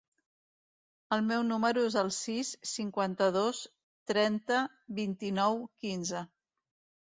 El meu número es el sis, cinquanta-dos, trenta, vint-i-nou, quinze.